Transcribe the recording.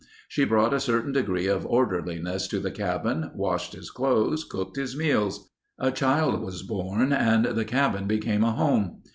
She brought a certain degree of orderliness to the cabin, washed his clothes, cooked his meals. A child was born and the cabin became a home.